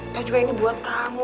juga ini buat kamu